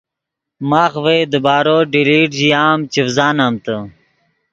ماخ ڤئے دیبارو ڈیلیٹ ژیا ام چڤزانمتے